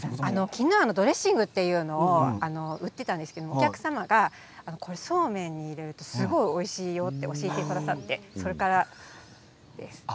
キヌアのドレッシングというのが売っていたんですけどお客様がこれそうめんに入れるとすごいおいしいよと教えてくださって、それからです。